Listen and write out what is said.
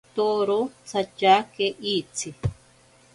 Toro tsatyake itsi.